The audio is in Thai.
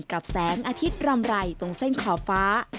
แสงอาทิตย์รำไรตรงเส้นขอบฟ้า